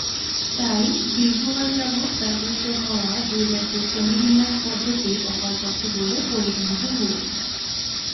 তাই, দীর্ঘকাল যাবৎ ব্যবহৃত হওয়া দুই রাজ্যের শ্রেণিবিন্যাস পদ্ধতি অপর্যাপ্ত বলে পরিগণিত হল।